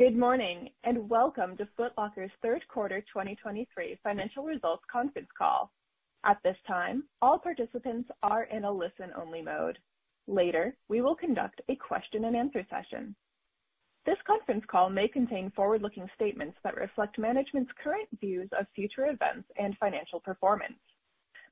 Good morning, and welcome to Foot Locker's third quarter 2023 financial results conference call. At this time, all participants are in a listen-only mode. Later, we will conduct a question-and-answer session. This conference call may contain forward-looking statements that reflect management's current views of future events and financial performance.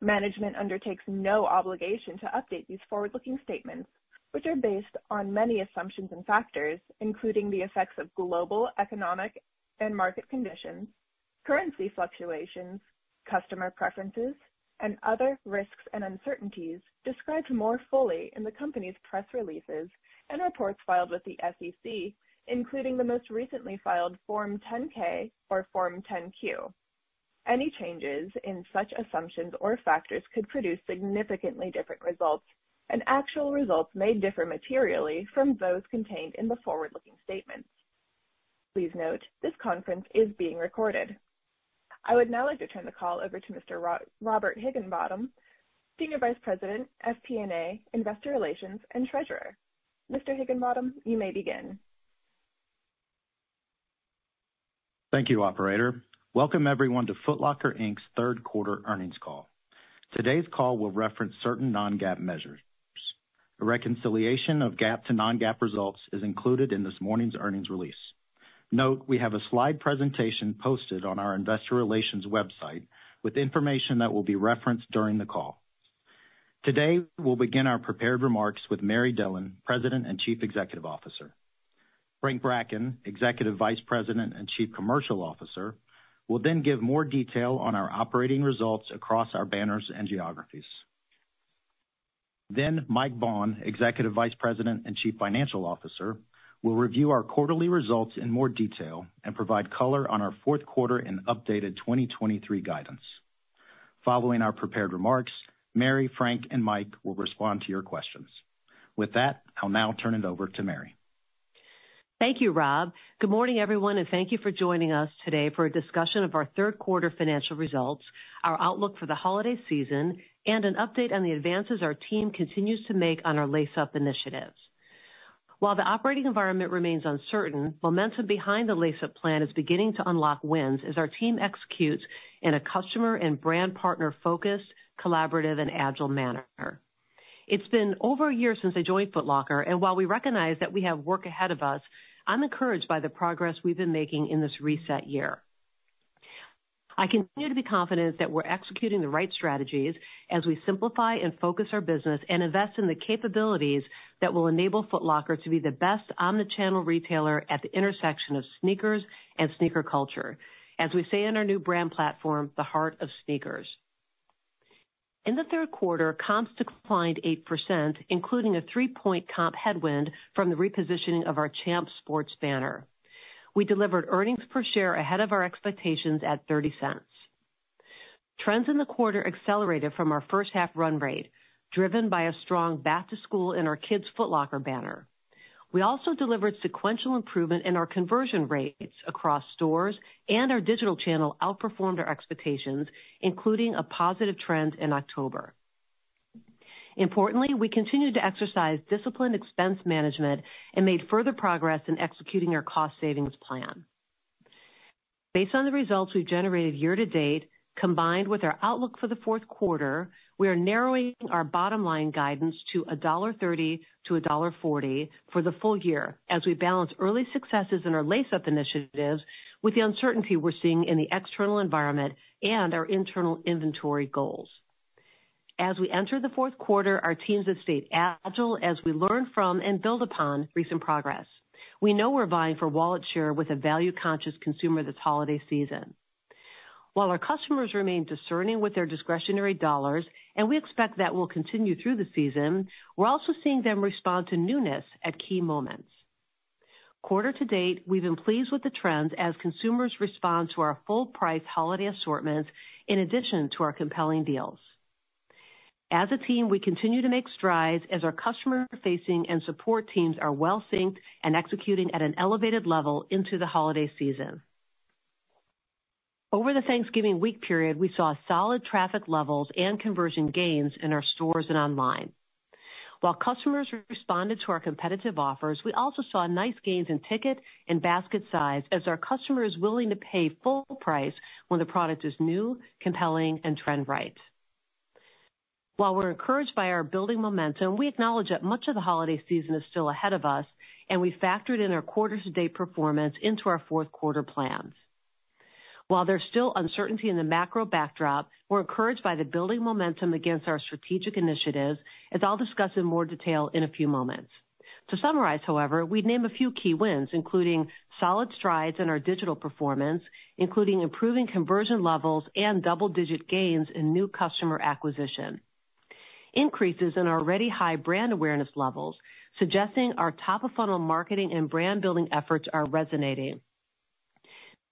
Management undertakes no obligation to update these forward-looking statements, which are based on many assumptions and factors, including the effects of global economic and market conditions, currency fluctuations, customer preferences, and other risks and uncertainties described more fully in the company's press releases and reports filed with the SEC, including the most recently filed Form 10-K or Form 10-Q. Any changes in such assumptions or factors could produce significantly different results, and actual results may differ materially from those contained in the forward-looking statements. Please note, this conference is being recorded. I would now like to turn the call over to Mr. Robert Higginbotham, Senior Vice President, FP&A, Investor Relations, and Treasurer. Mr. Higginbotham, you may begin. Thank you, operator. Welcome everyone to Foot Locker, Inc.'s third quarter earnings call. Today's call will reference certain non-GAAP measures. A reconciliation of GAAP to non-GAAP results is included in this morning's earnings release. Note: We have a slide presentation posted on our investor relations website with information that will be referenced during the call. Today, we'll begin our prepared remarks with Mary Dillon, President and Chief Executive Officer. Frank Bracken, Executive Vice President and Chief Commercial Officer, will then give more detail on our operating results across our banners and geographies. Then Mike Baughn, Executive Vice President and Chief Financial Officer, will review our quarterly results in more detail and provide color on our fourth quarter and updated 2023 guidance. Following our prepared remarks, Mary, Frank, and Mike will respond to your questions. With that, I'll now turn it over to Mary. Thank you, Rob. Good morning, everyone, and thank you for joining us today for a discussion of our third quarter financial results, our outlook for the holiday season, and an update on the advances our team continues to make on our Lace Up initiatives. While the operating environment remains uncertain, momentum behind the Lace Up Plan is beginning to unlock wins as our team executes in a customer and brand partner-focused, collaborative, and agile manner. It's been over a year since I joined Foot Locker, and while we recognize that we have work ahead of us, I'm encouraged by the progress we've been making in this reset year. I continue to be confident that we're executing the right strategies as we simplify and focus our business and invest in the capabilities that will enable Foot Locker to be the best omni-channel retailer at the intersection of sneakers and sneaker culture. As we say in our new brand platform, the heart of sneakers. In the third quarter, comps declined 8%, including a three-point comp headwind from the repositioning of our Champs Sports banner. We delivered earnings per share ahead of our expectations at $0.30. Trends in the quarter accelerated from our first half run rate, driven by a strong back to school in our Kids Foot Locker banner. We also delivered sequential improvement in our conversion rates across stores, and our digital channel outperformed our expectations, including a positive trend in October. Importantly, we continued to exercise disciplined expense management and made further progress in executing our cost savings plan. Based on the results we've generated year to date, combined with our outlook for the fourth quarter, we are narrowing our bottom line guidance to $1.30-$1.40 for the full year as we balance early successes in our Lace Up initiatives with the uncertainty we're seeing in the external environment and our internal inventory goals. As we enter the fourth quarter, our teams have stayed agile as we learn from and build upon recent progress. We know we're vying for wallet share with a value-conscious consumer this holiday season. While our customers remain discerning with their discretionary dollars, and we expect that will continue through the season, we're also seeing them respond to newness at key moments. Quarter to date, we've been pleased with the trends as consumers respond to our full price holiday assortment in addition to our compelling deals. As a team, we continue to make strides as our customer-facing and support teams are well synced and executing at an elevated level into the holiday season. Over the Thanksgiving week period, we saw solid traffic levels and conversion gains in our stores and online. While customers responded to our competitive offers, we also saw nice gains in ticket and basket size as our customer is willing to pay full price when the product is new, compelling, and trend right. While we're encouraged by our building momentum, we acknowledge that much of the holiday season is still ahead of us, and we factored in our quarter-to-date performance into our fourth quarter plans. While there's still uncertainty in the macro backdrop, we're encouraged by the building momentum against our strategic initiatives, as I'll discuss in more detail in a few moments. To summarize, however, we'd name a few key wins, including solid strides in our digital performance, including improving conversion levels and double-digit gains in new customer acquisition. Increases in our already high brand awareness levels, suggesting our top-of-funnel marketing and brand-building efforts are resonating.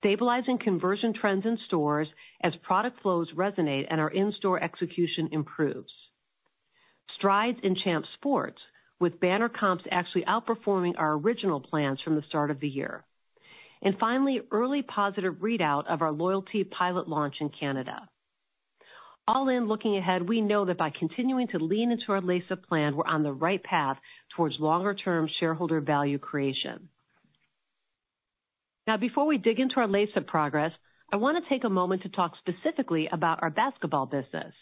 Stabilizing conversion trends in stores as product flows resonate and our in-store execution improves. Strides in Champs Sports, with banner comps actually outperforming our original plans from the start of the year. And finally, early positive readout of our loyalty pilot launch in Canada. All in, looking ahead, we know that by continuing to lean into our Lace Up Plan, we're on the right path towards longer-term shareholder value creation. Now, before we dig into our Lace Up progress, I want to take a moment to talk specifically about our basketball business.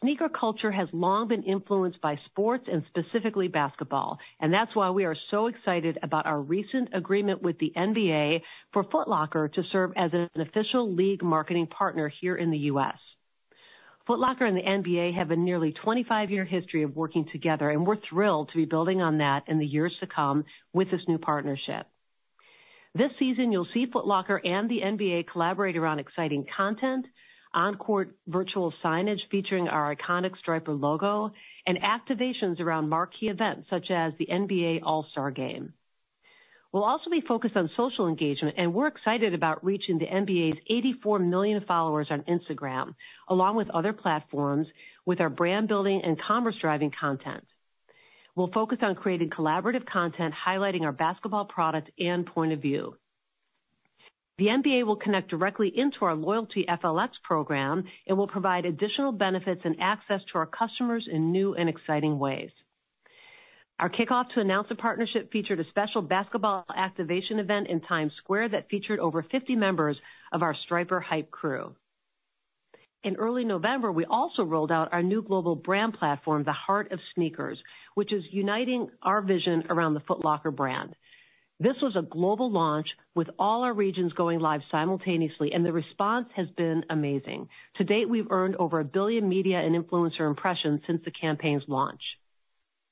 Sneaker culture has long been influenced by sports and specifically basketball, and that's why we are so excited about our recent agreement with the NBA for Foot Locker to serve as an official league marketing partner here in the U.S. Foot Locker and the NBA have a nearly 25-year history of working together, and we're thrilled to be building on that in the years to come with this new partnership. This season, you'll see Foot Locker and the NBA collaborate around exciting content, on-court virtual signage featuring our iconic striper logo, and activations around marquee events such as the NBA All-Star Game. We'll also be focused on social engagement, and we're excited about reaching the NBA's 84 million followers on Instagram, along with other platforms, with our brand building and commerce-driving content. We'll focus on creating collaborative content, highlighting our basketball products and point of view. The NBA will connect directly into our loyalty FLX program and will provide additional benefits and access to our customers in new and exciting ways. Our kickoff to announce the partnership featured a special basketball activation event in Times Square that featured over 50 members of our Stripers Hype crew. In early November, we also rolled out our new global brand platform, The Heart of Sneakers, which is uniting our vision around the Foot Locker brand. This was a global launch with all our regions going live simultaneously, and the response has been amazing. To date, we've earned over 1 billion media and influencer impressions since the campaign's launch.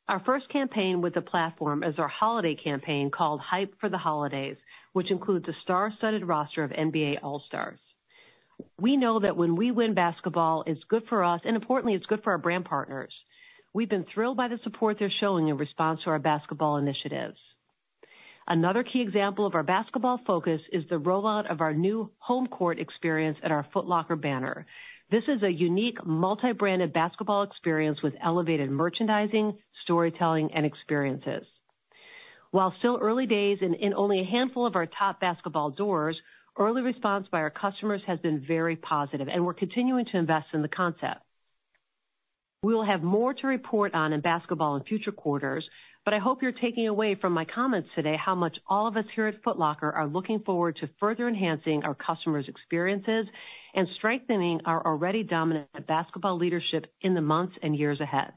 Our first campaign with the platform is our holiday campaign called Hype for the Holidays, which includes a star-studded roster of NBA All-Stars. We know that when we win basketball, it's good for us, and importantly, it's good for our brand partners. We've been thrilled by the support they're showing in response to our basketball initiatives. Another key example of our basketball focus is the rollout of our new Home Court experience at our Foot Locker banner. This is a unique, multi-branded basketball experience with elevated merchandising, storytelling, and experiences. While still early days and in only a handful of our top basketball doors, early response by our customers has been very positive, and we're continuing to invest in the concept. We will have more to report on in basketball in future quarters, but I hope you're taking away from my comments today how much all of us here at Foot Locker are looking forward to further enhancing our customers' experiences and strengthening our already dominant basketball leadership in the months and years ahead.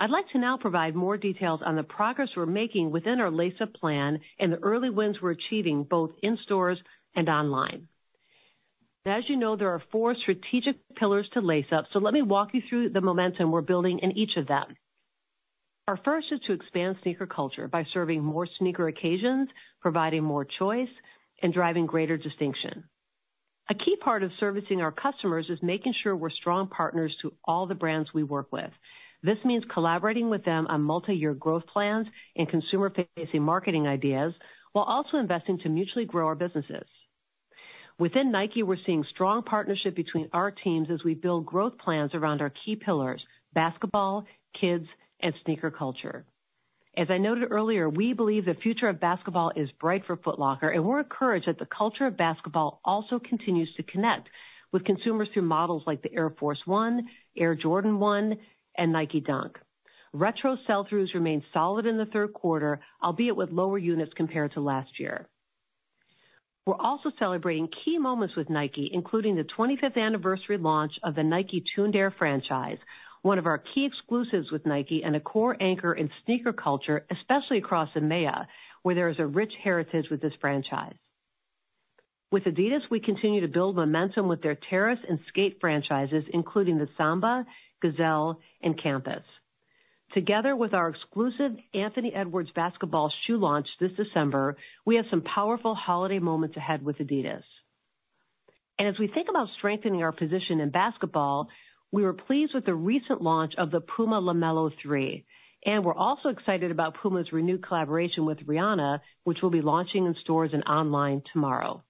I'd like to now provide more details on the progress we're making within our Lace Up Plan and the early wins we're achieving, both in stores and online. As you know, there are four strategic pillars to Lace Up, so let me walk you through the momentum we're building in each of them. Our first is to expand sneaker culture by serving more sneaker occasions, providing more choice, and driving greater distinction. A key part of servicing our customers is making sure we're strong partners to all the brands we work with. This means collaborating with them on multiyear growth plans and consumer-facing marketing ideas, while also investing to mutually grow our businesses. Within Nike, we're seeing strong partnership between our teams as we build growth plans around our key pillars: basketball, kids, and sneaker culture. As I noted earlier, we believe the future of basketball is bright for Foot Locker, and we're encouraged that the culture of basketball also continues to connect with consumers through models like the Air Force 1, Air Jordan 1, and Nike Dunk. Retro sell-throughs remained solid in the third quarter, albeit with lower units compared to last year. We're also celebrating key moments with Nike, including the 25th anniversary launch of the Nike Tuned Air franchise, one of our key exclusives with Nike and a core anchor in sneaker culture, especially across EMEA, where there is a rich heritage with this franchise. With adidas, we continue to build momentum with their Terrace and Skate franchises, including the Samba, Gazelle, and Campus. Together with our exclusive Anthony Edwards basketball shoe launch this December, we have some powerful holiday moments ahead with adidas. As we think about strengthening our position in basketball, we were pleased with the recent launch of the PUMA LaMelo 3, and we're also excited about PUMA's renewed collaboration with Rihanna, which will be launching in stores and online tomorrow.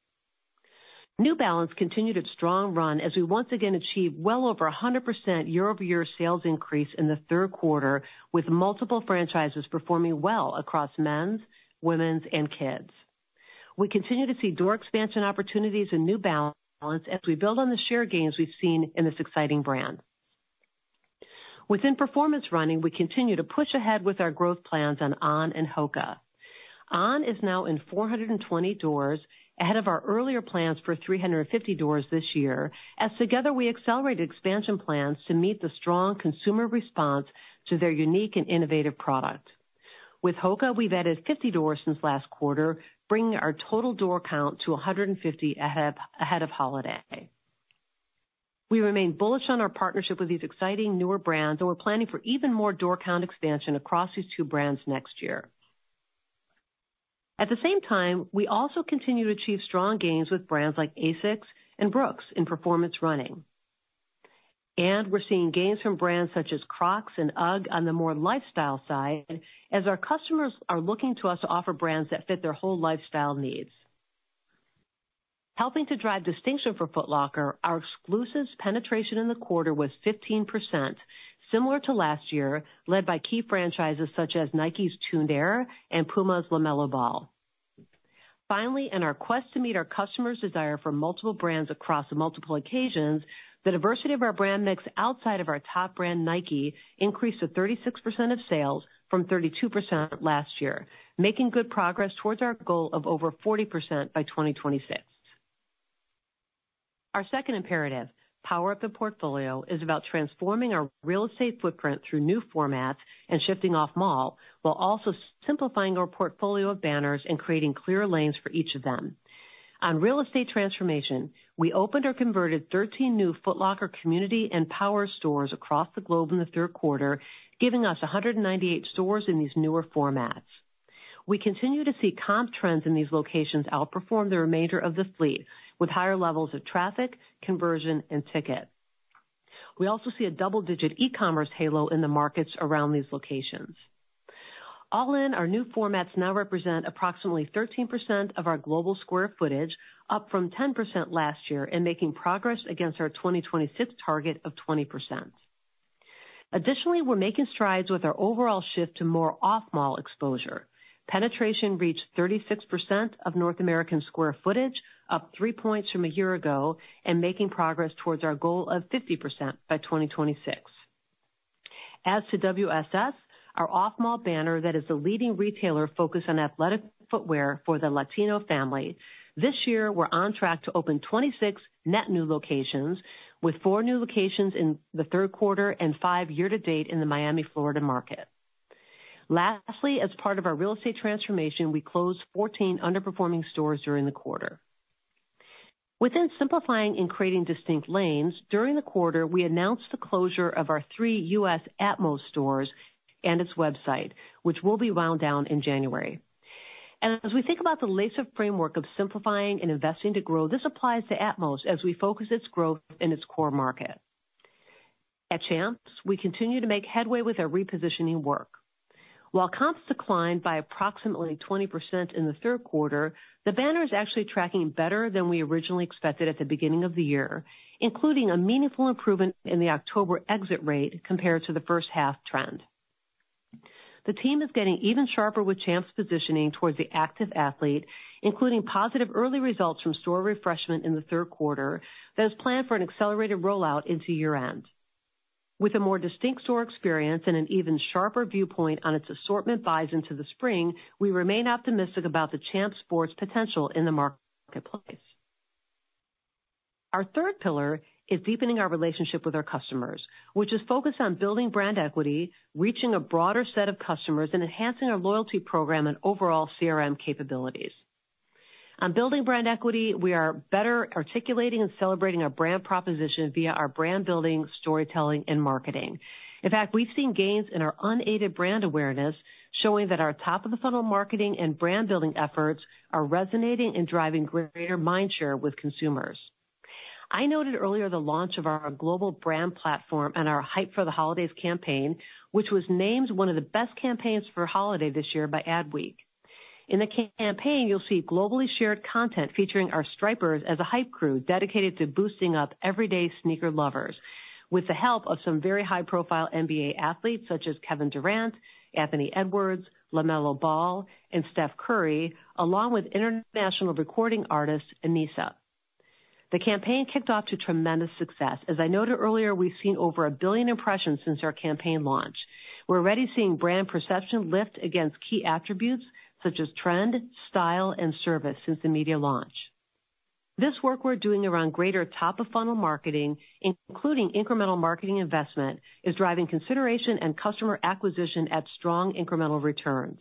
New Balance continued its strong run as we once again achieved well over 100% year-over-year sales increase in the third quarter, with multiple franchises performing well across men's, women's, and kids. We continue to see door expansion opportunities in New Balance as we build on the share gains we've seen in this exciting brand. Within performance running, we continue to push ahead with our growth plans on On and HOKA. On is now in 420 doors, ahead of our earlier plans for 350 doors this year, as together, we accelerated expansion plans to meet the strong consumer response to their unique and innovative product. With HOKA, we've added 50 doors since last quarter, bringing our total door count to 150 ahead of holiday. We remain bullish on our partnership with these exciting newer brands, and we're planning for even more door count expansion across these two brands next year. At the same time, we also continue to achieve strong gains with brands like ASICS and Brooks in performance running. And we're seeing gains from brands such as Crocs and UGG on the more lifestyle side, as our customers are looking to us to offer brands that fit their whole lifestyle needs. Helping to drive distinction for Foot Locker, our exclusives penetration in the quarter was 15%, similar to last year, led by key franchises such as Nike's Tuned Air and PUMA's LaMelo Ball... Finally, in our quest to meet our customers' desire for multiple brands across multiple occasions, the diversity of our brand mix outside of our top brand, Nike, increased to 36% of sales from 32% last year, making good progress towards our goal of over 40% by 2026. Our second imperative, power up the portfolio, is about transforming our real estate footprint through new formats and shifting off-mall, while also simplifying our portfolio of banners and creating clear lanes for each of them. On real estate transformation, we opened or converted 13 new Foot Locker community and power stores across the globe in the third quarter, giving us 198 stores in these newer formats. We continue to see comp trends in these locations outperform the remainder of the fleet, with higher levels of traffic, conversion, and ticket. We also see a double-digit e-commerce halo in the markets around these locations. All in, our new formats now represent approximately 13% of our global square footage, up from 10% last year, and making progress against our 2026 target of 20%. Additionally, we're making strides with our overall shift to more off-mall exposure. Penetration reached 36% of North American square footage, up 3 points from a year ago, and making progress towards our goal of 50% by 2026. As to WSS, our off-mall banner that is a leading retailer focused on athletic footwear for the Latino family, this year, we're on track to open 26 net new locations, with four new locations in the third quarter and five year to date in the Miami, Florida, market. Lastly, as part of our real estate transformation, we closed 14 underperforming stores during the quarter. Within simplifying and creating distinct lanes, during the quarter, we announced the closure of our three U.S. atmos stores and its website, which will be wound down in January. As we think about the Lace Up framework of simplifying and investing to grow, this applies to atmos as we focus its growth in its core market. At Champs, we continue to make headway with our repositioning work. While comps declined by approximately 20% in the third quarter, the banner is actually tracking better than we originally expected at the beginning of the year, including a meaningful improvement in the October exit rate compared to the first half trend. The team is getting even sharper with Champs' positioning towards the active athlete, including positive early results from store refreshment in the third quarter that is planned for an accelerated rollout into year-end. With a more distinct store experience and an even sharper viewpoint on its assortment buys into the spring, we remain optimistic about the Champs Sports potential in the marketplace. Our third pillar is deepening our relationship with our customers, which is focused on building brand equity, reaching a broader set of customers, and enhancing our loyalty program and overall CRM capabilities. On building brand equity, we are better articulating and celebrating our brand proposition via our brand building, storytelling, and marketing. In fact, we've seen gains in our unaided brand awareness, showing that our top-of-the-funnel marketing and brand-building efforts are resonating and driving greater mind share with consumers. I noted earlier the launch of our global brand platform and our Hype for the Holidays campaign, which was named one of the best campaigns for holiday this year by Adweek. In the campaign, you'll see globally shared content featuring our Stripers as a hype crew dedicated to boosting up everyday sneaker lovers with the help of some very high-profile NBA athletes such as Kevin Durant, Anthony Edwards, LaMelo Ball, and Steph Curry, along with international recording artist, Enisa. The campaign kicked off to tremendous success. As I noted earlier, we've seen over 1 billion impressions since our campaign launch. We're already seeing brand perception lift against key attributes such as trend, style, and service since the media launch. This work we're doing around greater top-of-funnel marketing, including incremental marketing investment, is driving consideration and customer acquisition at strong incremental returns.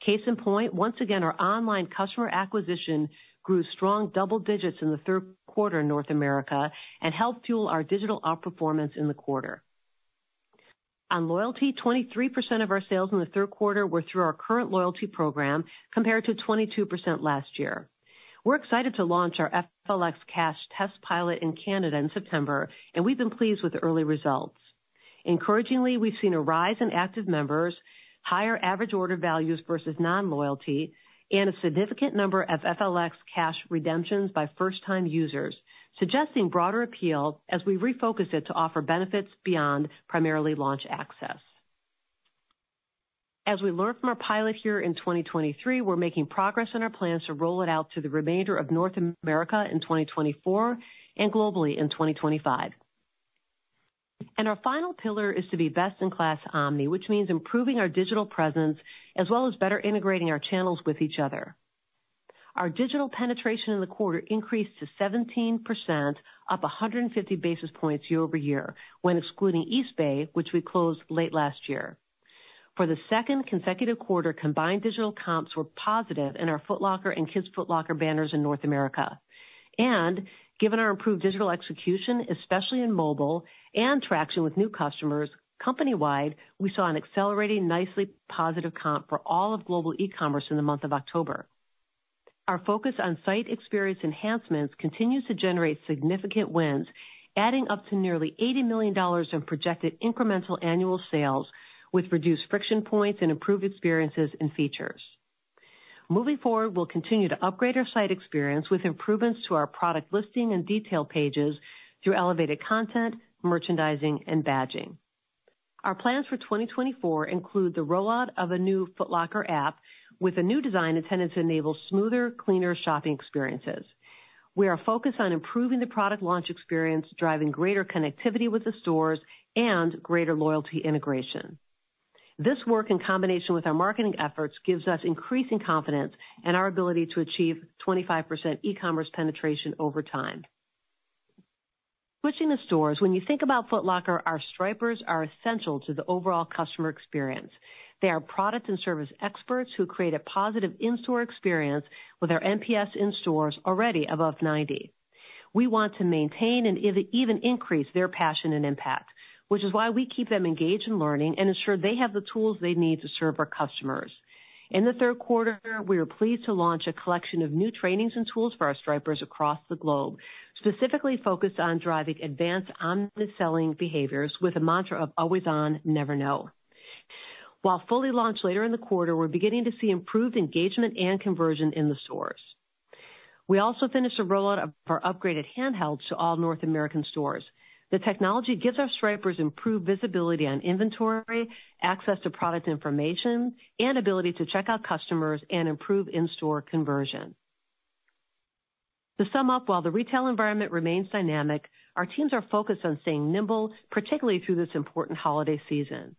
Case in point, once again, our online customer acquisition grew strong double digits in the third quarter in North America and helped fuel our digital outperformance in the quarter. On loyalty, 23% of our sales in the third quarter were through our current loyalty program, compared to 22% last year. We're excited to launch our FLX cash test pilot in Canada in September, and we've been pleased with the early results. Encouragingly, we've seen a rise in active members, higher average order values versus non-loyalty, and a significant number of FLX cash redemptions by first-time users, suggesting broader appeal as we refocus it to offer benefits beyond primarily launch access. As we learn from our pilot here in 2023, we're making progress in our plans to roll it out to the remainder of North America in 2024 and globally in 2025. Our final pillar is to be best-in-class omni, which means improving our digital presence as well as better integrating our channels with each other. Our digital penetration in the quarter increased to 17%, up 150 basis points year-over-year, when excluding Eastbay, which we closed late last year. For the second consecutive quarter, combined digital comps were positive in our Foot Locker and Kids Foot Locker banners in North America. Given our improved digital execution, especially in mobile and traction with new customers, company-wide, we saw an accelerating, nicely positive comp for all of global e-commerce in the month of October. Our focus on site experience enhancements continues to generate significant wins, adding up to nearly $80 million in projected incremental annual sales, with reduced friction points and improved experiences and features. Moving forward, we'll continue to upgrade our site experience with improvements to our product listing and detail pages through elevated content, merchandising, and badging. Our plans for 2024 include the rollout of a new Foot Locker app with a new design intended to enable smoother, cleaner shopping experiences. We are focused on improving the product launch experience, driving greater connectivity with the stores, and greater loyalty integration. This work, in combination with our marketing efforts, gives us increasing confidence in our ability to achieve 25% e-commerce penetration over time. Switching to stores, when you think about Foot Locker, our Stripers are essential to the overall customer experience. They are product and service experts who create a positive in-store experience with our NPS in stores already above 90. We want to maintain and even increase their passion and impact, which is why we keep them engaged in learning and ensure they have the tools they need to serve our customers. In the third quarter, we are pleased to launch a collection of new trainings and tools for our Stripers across the globe, specifically focused on driving advanced omni-selling behaviors with a mantra of always on, never know. While fully launched later in the quarter, we're beginning to see improved engagement and conversion in the stores. We also finished a rollout of our upgraded handhelds to all North American stores. The technology gives our Stripers improved visibility on inventory, access to product information, and ability to check out customers and improve in-store conversion. To sum up, while the retail environment remains dynamic, our teams are focused on staying nimble, particularly through this important holiday season.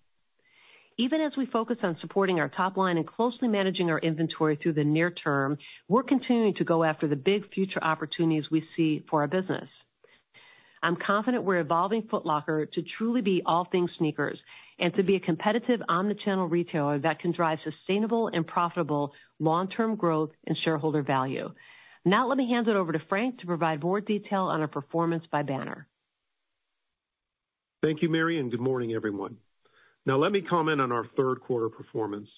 Even as we focus on supporting our top line and closely managing our inventory through the near term, we're continuing to go after the big future opportunities we see for our business. I'm confident we're evolving Foot Locker to truly be all things sneakers and to be a competitive omni-channel retailer that can drive sustainable and profitable long-term growth and shareholder value. Now, let me hand it over to Frank to provide more detail on our performance by banner. Thank you, Mary, and good morning, everyone. Now let me comment on our third quarter performance.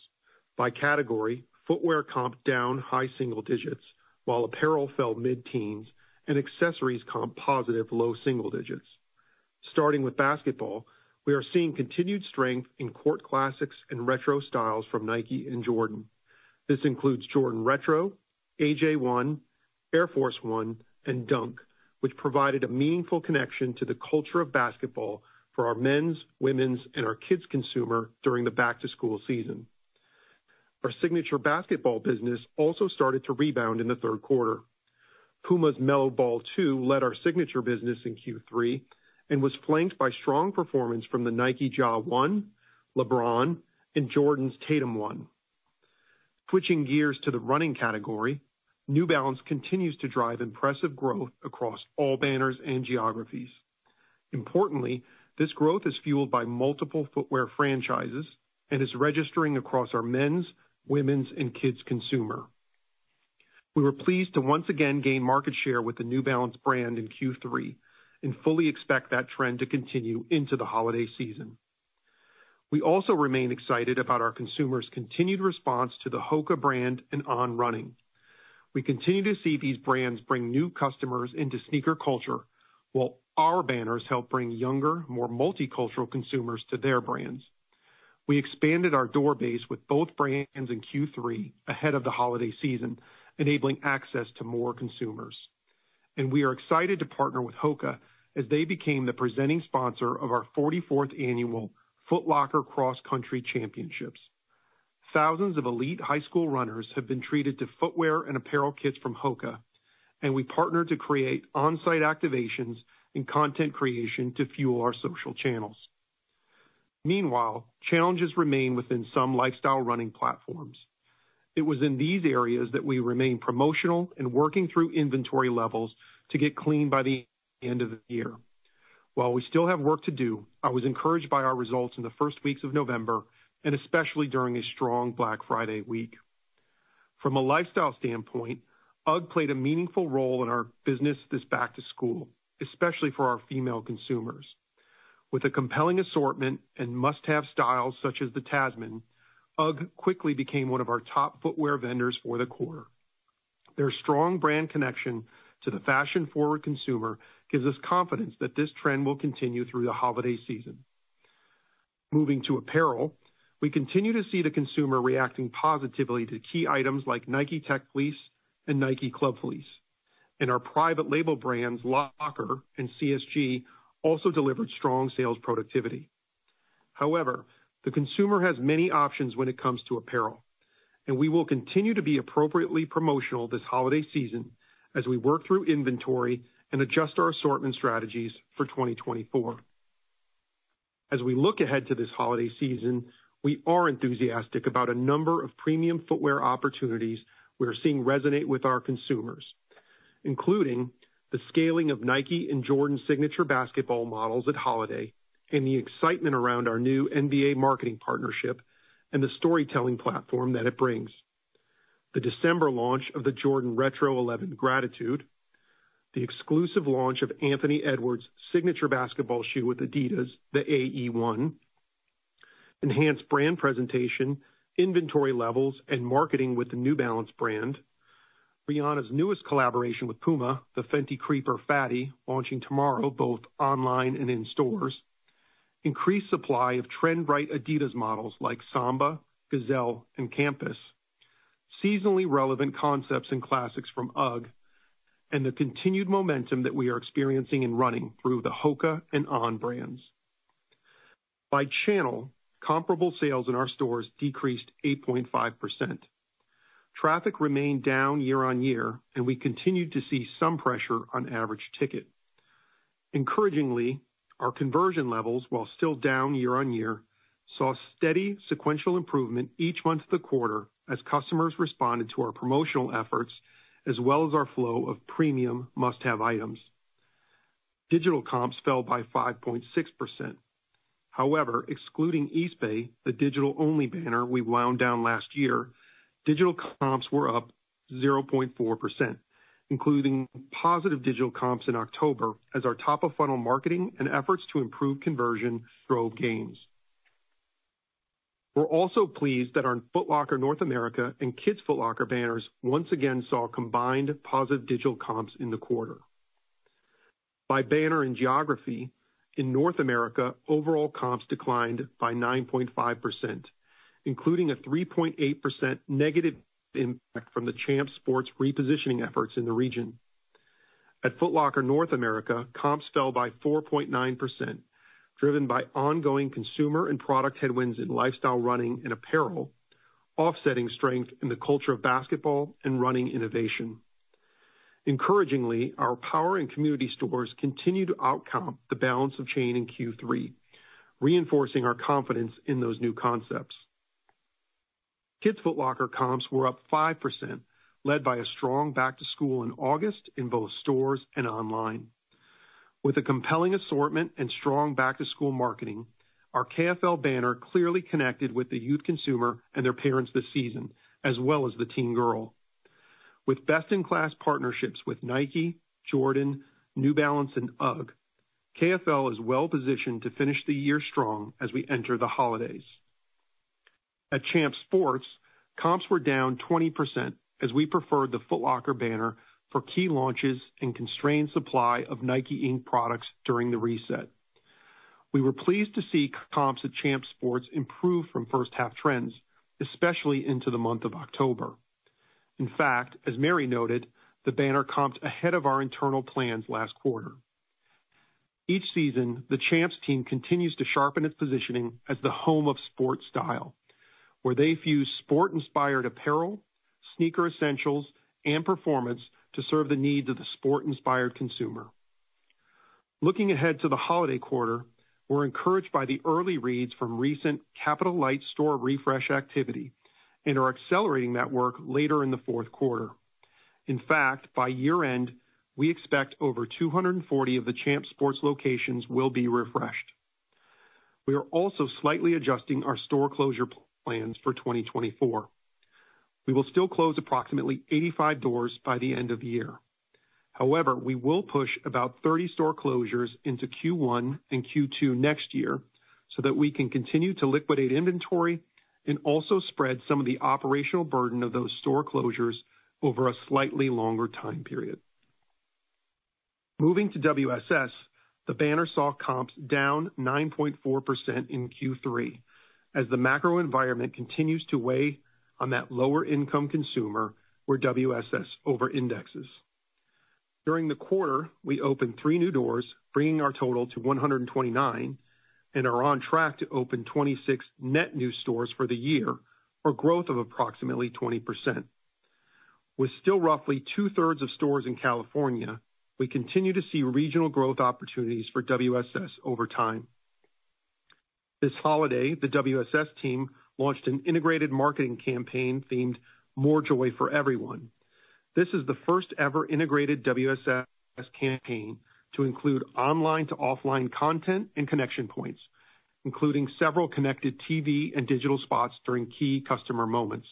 By category, footwear comp down high single digits, while apparel fell mid-teens and accessories comp positive low single digits. Starting with basketball, we are seeing continued strength in court classics and retro styles from Nike and Jordan. This includes Jordan Retro, AJ1, Air Force 1, and Dunk, which provided a meaningful connection to the culture of basketball for our men's, women's, and our kids' consumer during the back-to-school season. Our signature basketball business also started to rebound in the third quarter. PUMA's Melo Ball 2 led our signature business in Q3 and was flanked by strong performance from the Nike Ja 1, LeBron, and Jordan's Tatum 1. Switching gears to the running category, New Balance continues to drive impressive growth across all banners and geographies. Importantly, this growth is fueled by multiple footwear franchises and is registering across our men's, women's, and kids' consumer. We were pleased to once again gain market share with the New Balance brand in Q3 and fully expect that trend to continue into the holiday season. We also remain excited about our consumers' continued response to the HOKA brand and On. We continue to see these brands bring new customers into sneaker culture, while our banners help bring younger, more multicultural consumers to their brands. We expanded our door base with both brands in Q3, ahead of the holiday season, enabling access to more consumers. We are excited to partner with HOKA as they became the presenting sponsor of our forty-fourth annual Foot Locker Cross Country Championships. Thousands of elite high school runners have been treated to footwear and apparel kits from HOKA, and we partnered to create onsite activations and content creation to fuel our social channels. Meanwhile, challenges remain within some lifestyle running platforms. It was in these areas that we remain promotional and working through inventory levels to get clean by the end of the year. While we still have work to do, I was encouraged by our results in the first weeks of November, and especially during a strong Black Friday week. From a lifestyle standpoint, UGG played a meaningful role in our business this back to school, especially for our female consumers. With a compelling assortment and must-have styles, such as the Tasman, UGG quickly became one of our top footwear vendors for the quarter. Their strong brand connection to the fashion-forward consumer gives us confidence that this trend will continue through the holiday season. Moving to apparel, we continue to see the consumer reacting positively to key items like Nike Tech Fleece and Nike Club Fleece, and our private label brands, Locker and CSG, also delivered strong sales productivity. However, the consumer has many options when it comes to apparel, and we will continue to be appropriately promotional this holiday season as we work through inventory and adjust our assortment strategies for 2024. As we look ahead to this holiday season, we are enthusiastic about a number of premium footwear opportunities we're seeing resonate with our consumers, including the scaling of Nike and Jordan signature basketball models at holiday and the excitement around our new NBA marketing partnership and the storytelling platform that it brings. The December launch of the Jordan Retro XI Gratitude, the exclusive launch of Anthony Edwards' signature basketball shoe with adidas, the AE1, enhanced brand presentation, inventory levels, and marketing with the New Balance brand, Rihanna's newest collaboration with PUMA, the Fenty Creeper Phatty, launching tomorrow, both online and in stores, increased supply of trend-right adidas models like Samba, Gazelle, and Campus, seasonally relevant concepts and classics from UGG, and the continued momentum that we are experiencing in running through the HOKA and On brands. By channel, comparable sales in our stores decreased 8.5%. Traffic remained down year-on-year, and we continued to see some pressure on average ticket. Encouragingly, our conversion levels, while still down year-on-year, saw steady sequential improvement each month of the quarter as customers responded to our promotional efforts, as well as our flow of premium must-have items. Digital comps fell by 5.6%. However, excluding Eastbay, the digital-only banner we wound down last year, digital comps were up 0.4%, including positive digital comps in October, as our top-of-funnel marketing and efforts to improve conversion drove gains. We're also pleased that our Foot Locker North America and Kids Foot Locker banners once again saw combined positive digital comps in the quarter. By banner and geography, in North America, overall comps declined by 9.5%, including a 3.8% negative impact from the Champs Sports repositioning efforts in the region. At Foot Locker North America, comps fell by 4.9%, driven by ongoing consumer and product headwinds in lifestyle, running, and apparel, offsetting strength in the culture of basketball and running innovation. Encouragingly, our power and community stores continued to outperform the balance of the chain in Q3, reinforcing our confidence in those new concepts. Kids Foot Locker comps were up 5%, led by a strong back-to-school in August in both stores and online. With a compelling assortment and strong back-to-school marketing, our KFL banner clearly connected with the youth consumer and their parents this season, as well as the teen girl. With best-in-class partnerships with Nike, Jordan, New Balance, and UGG, KFL is well positioned to finish the year strong as we enter the holidays. At Champs Sports, comps were down 20% as we preferred the Foot Locker banner for key launches and constrained supply of Nike, Inc. products during the reset. We were pleased to see comps at Champs Sports improve from first half trends, especially into the month of October. In fact, as Mary noted, the banner comped ahead of our internal plans last quarter. Each season, the Champs team continues to sharpen its positioning as the home of sport style, where they fuse sport-inspired apparel, sneaker essentials, and performance to serve the needs of the sport-inspired consumer. Looking ahead to the holiday quarter, we're encouraged by the early reads from recent capital light store refresh activity and are accelerating that work later in the fourth quarter. In fact, by year-end, we expect over 240 of the Champs Sports locations will be refreshed. We are also slightly adjusting our store closure plans for 2024. We will still close approximately 85 doors by the end of the year. However, we will push about 30 store closures into Q1 and Q2 next year, so that we can continue to liquidate inventory and also spread some of the operational burden of those store closures over a slightly longer time period. Moving to WSS, the banner saw comps down 9.4% in Q3, as the macro environment continues to weigh on that lower income consumer, where WSS over indexes. During the quarter, we opened three new doors, bringing our total to 129, and are on track to open 26 net new stores for the year, or growth of approximately 20%. With still roughly two-thirds of stores in California, we continue to see regional growth opportunities for WSS over time. This holiday, the WSS team launched an integrated marketing campaign themed More Joy For Everyone. This is the first ever integrated WSS campaign to include online to offline content and connection points, including several connected TV and digital spots during key customer moments.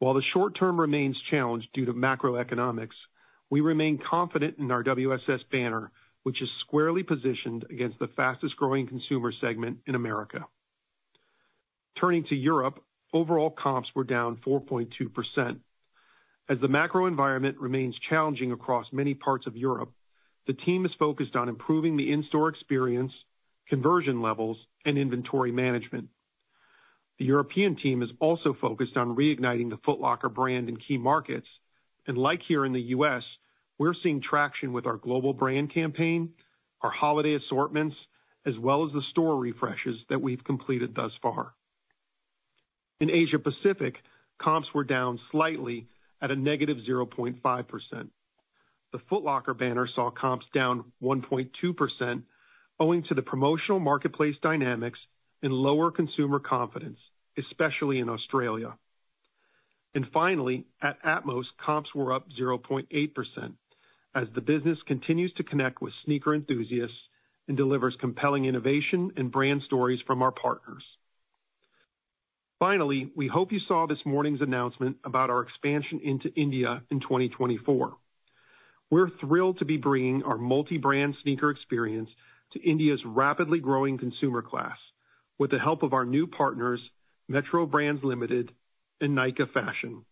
While the short term remains challenged due to macroeconomics, we remain confident in our WSS banner, which is squarely positioned against the fastest growing consumer segment in America. Turning to Europe, overall comps were down 4.2%. As the macro environment remains challenging across many parts of Europe, the team is focused on improving the in-store experience, conversion levels, and inventory management. The European team is also focused on reigniting the Foot Locker brand in key markets, and like here in the U.S., we're seeing traction with our global brand campaign, our holiday assortments, as well as the store refreshes that we've completed thus far. In Asia Pacific, comps were down slightly at -0.5%. The Foot Locker banner saw comps down 1.2%, owing to the promotional marketplace dynamics and lower consumer confidence, especially in Australia. Finally, at atmos, comps were up 0.8%, as the business continues to connect with sneaker enthusiasts and delivers compelling innovation and brand stories from our partners. Finally, we hope you saw this morning's announcement about our expansion into India in 2024. We're thrilled to be bringing our multi-brand sneaker experience to India's rapidly growing consumer class with the help of our new partners, Metro Brands Limited and Nykaa Fashion.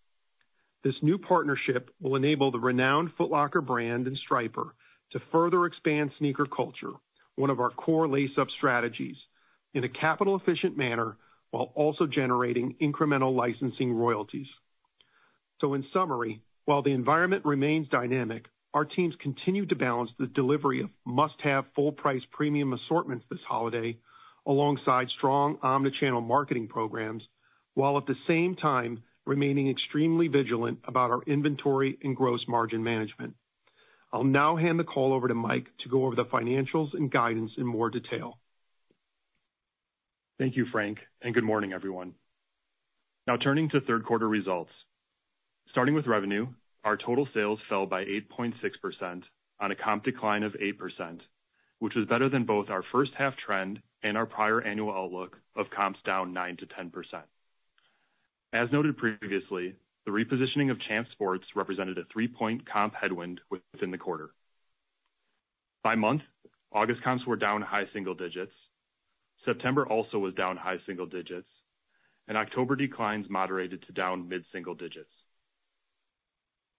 This new partnership will enable the renowned Foot Locker brand and Stripers to further expand sneaker culture, one of our core Lace Up strategies, in a capital efficient manner, while also generating incremental licensing royalties. In summary, while the environment remains dynamic, our teams continue to balance the delivery of must-have, full-price, premium assortments this holiday, alongside strong omni-channel marketing programs, while at the same time remaining extremely vigilant about our inventory and gross margin management. I'll now hand the call over to Mike to go over the financials and guidance in more detail. Thank you, Frank, and good morning, everyone. Now turning to third quarter results. Starting with revenue, our total sales fell by 8.6% on a comp decline of 8%, which was better than both our first half trend and our prior annual outlook of comps down 9%-10%. As noted previously, the repositioning of Champs Sports represented a three-point comp headwind within the quarter. By month, August comps were down high single digits. September also was down high single digits, and October declines moderated to down mid-single digits.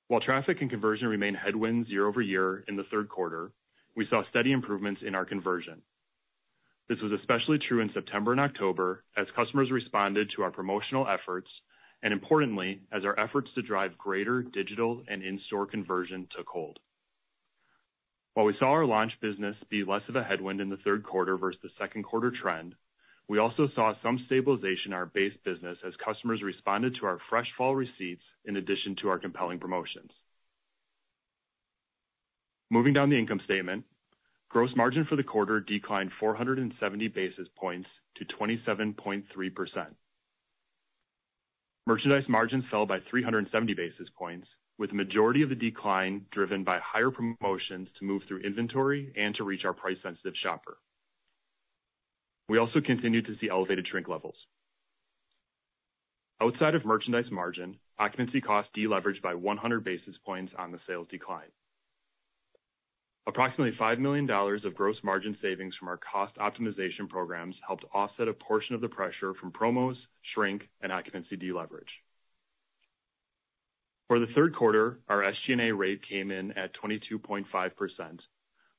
While traffic and conversion remain headwinds year-over-year in the third quarter, we saw steady improvements in our conversion. This was especially true in September and October, as customers responded to our promotional efforts, and importantly, as our efforts to drive greater digital and in-store conversion took hold. While we saw our launch business be less of a headwind in the third quarter versus the second quarter trend, we also saw some stabilization in our base business as customers responded to our fresh fall receipts in addition to our compelling promotions. Moving down the income statement. Gross Margin for the quarter declined 470 basis points to 27.3%. Merchandise Margin fell by 370 basis points, with the majority of the decline driven by higher promotions to move through inventory and to reach our price-sensitive shopper. We also continued to see elevated Shrink levels. Outside of Merchandise Margin, occupancy costs deleveraged by 100 basis points on the sales decline. Approximately $5 million of Gross Margin savings from our cost optimization programs helped offset a portion of the pressure from promos, Shrink, and occupancy deleverage. For the third quarter, our SG&A rate came in at 22.5%,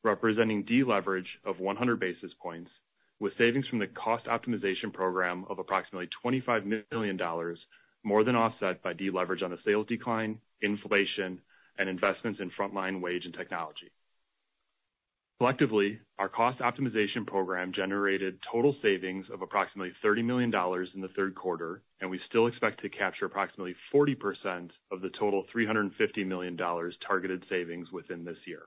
representing deleverage of 100 basis points, with savings from the cost optimization program of approximately $25 million, more than offset by deleverage on a sales decline, inflation, and investments in frontline wage and technology. Collectively, our cost optimization program generated total savings of approximately $30 million in the third quarter, and we still expect to capture approximately 40% of the total $350 million targeted savings within this year.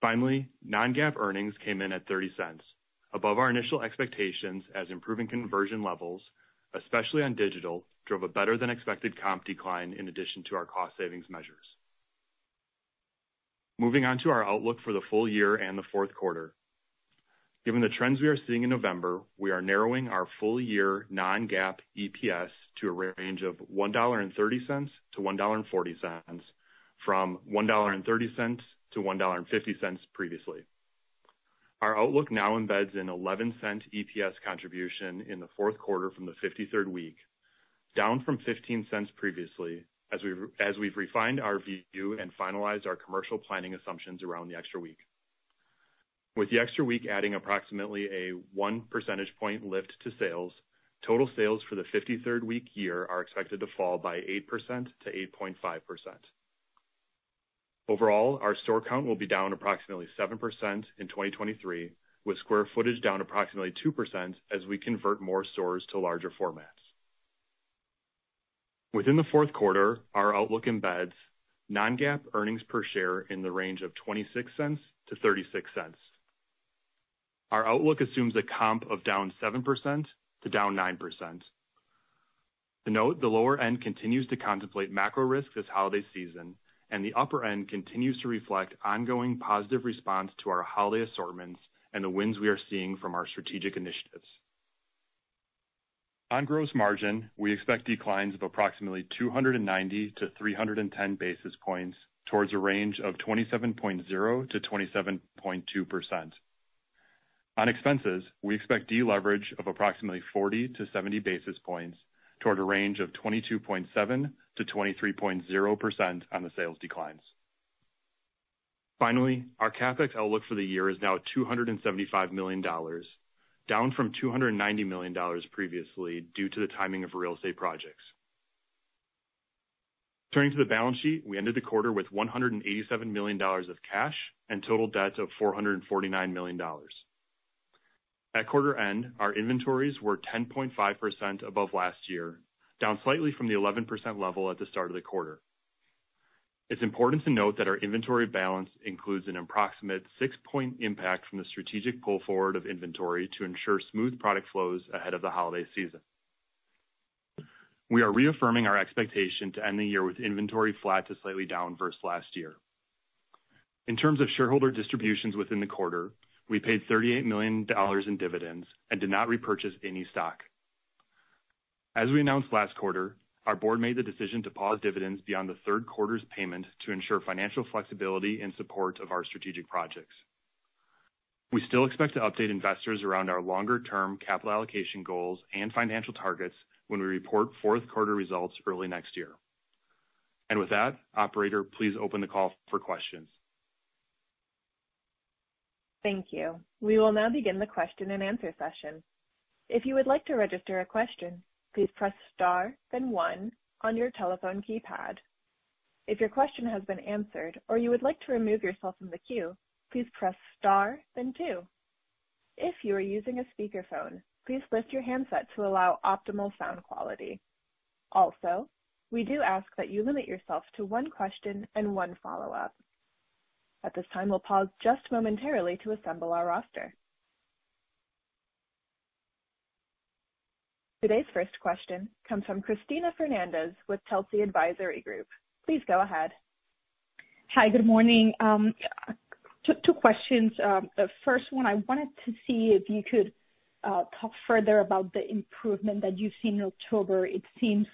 Finally, non-GAAP earnings came in at $0.30, above our initial expectations as improving conversion levels, especially on digital, drove a better than expected comp decline in addition to our cost savings measures. Moving on to our outlook for the full year and the fourth quarter. Given the trends we are seeing in November, we are narrowing our full year non-GAAP EPS to a range of $1.30-$1.40, from $1.30-$1.50 previously. Our outlook now embeds an 11 cent EPS contribution in the fourth quarter from the 53rd week, down from 15 cents previously, as we've refined our view and finalized our commercial planning assumptions around the extra week. With the extra week adding approximately a 1% point lift to sales, total sales for the 53rd week year are expected to fall by 8%-8.5%. Overall, our store count will be down approximately 7% in 2023, with square footage down approximately 2% as we convert more stores to larger formats. Within the fourth quarter, our outlook embeds non-GAAP earnings per share in the range of $0.26-$0.36. Our outlook assumes a comp of down 7% to down 9%. To note, the lower end continues to contemplate macro risks this holiday season, and the upper end continues to reflect ongoing positive response to our holiday assortments and the wins we are seeing from our strategic initiatives. On gross margin, we expect declines of approximately 290-310 basis points toward a range of 27.0%-27.2%. On expenses, we expect deleverage of approximately 40-70 basis points toward a range of 22.7%-23.0% on the sales declines. Finally, our CapEx outlook for the year is now $275 million, down from $290 million previously, due to the timing of real estate projects. Turning to the balance sheet, we ended the quarter with $187 million of cash and total debt of $449 million. At quarter end, our inventories were 10.5% above last year, down slightly from the 11% level at the start of the quarter. It's important to note that our inventory balance includes an approximate six-point impact from the strategic pull forward of inventory to ensure smooth product flows ahead of the holiday season. We are reaffirming our expectation to end the year with inventory flat to slightly down versus last year. In terms of shareholder distributions within the quarter, we paid $38 million in dividends and did not repurchase any stock. As we announced last quarter, our board made the decision to pause dividends beyond the third quarter's payment to ensure financial flexibility in support of our strategic projects. We still expect to update investors around our longer term capital allocation goals and financial targets when we report fourth quarter results early next year. With that, operator, please open the call for questions. Thank you. We will now begin the question and answer session. If you would like to register a question, please press star, then one on your telephone keypad. If your question has been answered, or you would like to remove yourself from the queue, please press star, then two. If you are using a speakerphone, please lift your handset to allow optimal sound quality. Also, we do ask that you limit yourself to one question and one follow-up. At this time, we'll pause just momentarily to assemble our roster. Today's first question comes from Christina Fernandez with Telsey Advisory Group. Please go ahead. Hi, good morning. Two, two questions. The first one, I wanted to see if you could talk further about the improvement that you've seen in October. It seems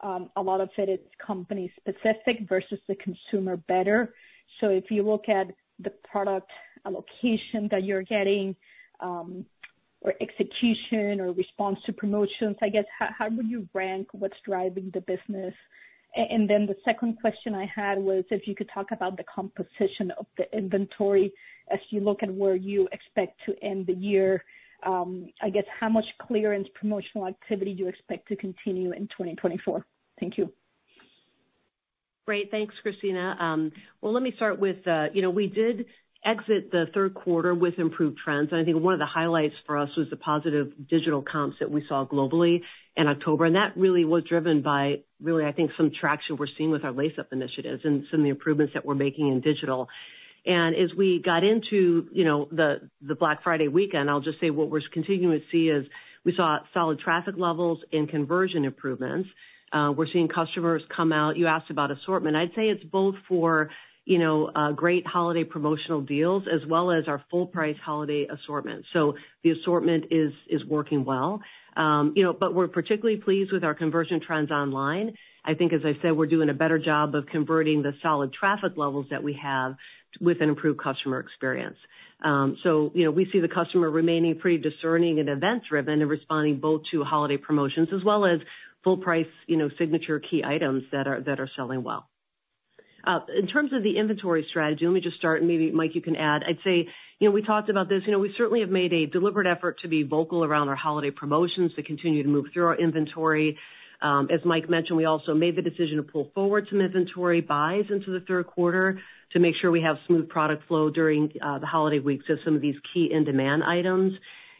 a lot of it is company specific versus the consumer better. So if you look at the product allocation that you're getting, or execution or response to promotions, I guess, how would you rank what's driving the business? And then the second question I had was if you could talk about the composition of the inventory as you look at where you expect to end the year, I guess how much clearance promotional activity do you expect to continue in 2024? Thank you. Great. Thanks, Christina. Well, let me start with, you know, we did exit the third quarter with improved trends, and I think one of the highlights for us was the positive digital comps that we saw globally in October. And that really was driven by, really, I think, some traction we're seeing with our Lace Up initiatives and some of the improvements that we're making in digital. And as we got into, you know, the, the Black Friday weekend, I'll just say what we're continuing to see is we saw solid traffic levels and conversion improvements. We're seeing customers come out. You asked about assortment. I'd say it's both for, you know, great holiday promotional deals as well as our full price holiday assortment. So the assortment is, is working well. You know, but we're particularly pleased with our conversion trends online. I think, as I said, we're doing a better job of converting the solid traffic levels that we have with an improved customer experience. So, you know, we see the customer remaining pretty discerning and events driven and responding both to holiday promotions as well as full price, you know, signature key items that are selling well. In terms of the inventory strategy, let me just start, and maybe, Mike, you can add. I'd say, you know, we talked about this. You know, we certainly have made a deliberate effort to be vocal around our holiday promotions to continue to move through our inventory. As Mike mentioned, we also made the decision to pull forward some inventory buys into the third quarter to make sure we have smooth product flow during the holiday week. So some of these key in-demand items.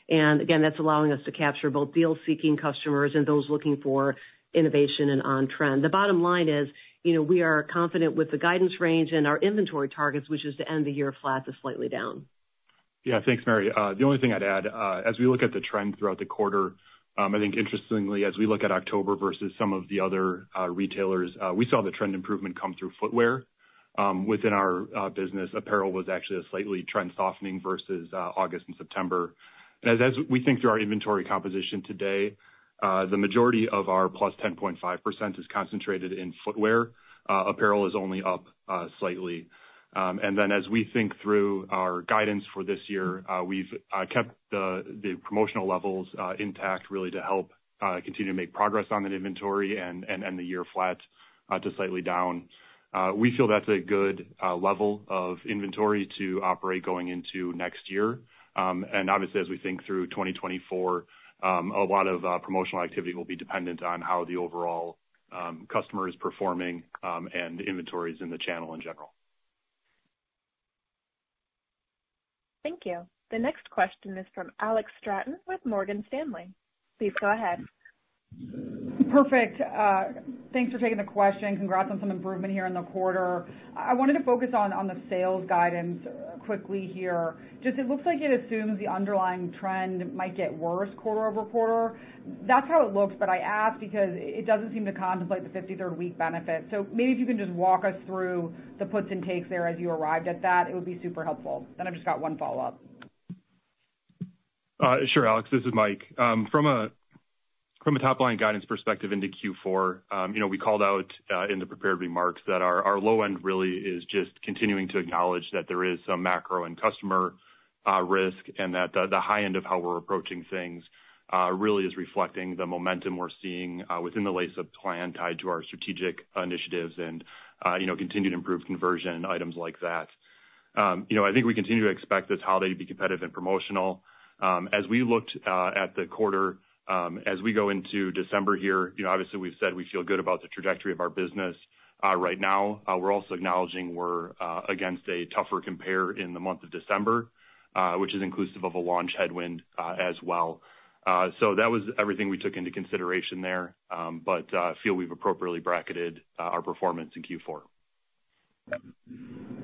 Again, that's allowing us to capture both deal-seeking customers and those looking for innovation and on-trend. The bottom line is, you know, we are confident with the guidance range and our inventory targets, which is to end the year flat to slightly down. Yeah, thanks, Mary. The only thing I'd add, as we look at the trend throughout the quarter, I think interestingly, as we look at October versus some of the other retailers, we saw the trend improvement come through footwear. Within our business, apparel was actually a slightly trend softening versus August and September. And as we think through our inventory composition today, the majority of our +10.5 is concentrated in footwear. Apparel is only up slightly. And then as we think through our guidance for this year, we've kept the promotional levels intact, really to help continue to make progress on that inventory and end the year flat to slightly down. We feel that's a good level of inventory to operate going into next year. Obviously, as we think through 2024, a lot of promotional activity will be dependent on how the overall customer is performing, and inventories in the channel in general. Thank you. The next question is from Alex Straton with Morgan Stanley. Please go ahead. Perfect. Thanks for taking the question. Congrats on some improvement here in the quarter. I wanted to focus on the sales guidance quickly here. Just it looks like it assumes the underlying trend might get worse quarter-over-quarter. That's how it looks, but I ask because it doesn't seem to contemplate the 53rd week benefit. So maybe if you can just walk us through the puts and takes there as you arrived at that, it would be super helpful. Then I've just got one follow-up. Sure, Alex, this is Mike. From a top-line guidance perspective into Q4, you know, we called out in the prepared remarks that our low end really is just continuing to acknowledge that there is some macro and customer risk, and that the high end of how we're approaching things really is reflecting the momentum we're seeing within the Lace Up Plan tied to our strategic initiatives and, you know, continued improved conversion and items like that. You know, I think we continue to expect this holiday to be competitive and promotional. As we looked at the quarter, as we go into December here, you know, obviously, we've said we feel good about the trajectory of our business right now. We're also acknowledging we're against a tougher compare in the month of December, which is inclusive of a launch headwind, as well. That was everything we took into consideration there, but we feel we've appropriately bracketed our performance in Q4.